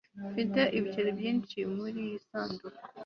mfite ibiceri byinshi muriyi sanduku